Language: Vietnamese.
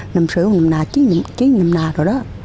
năm sử năm nào chí năm nào rồi đó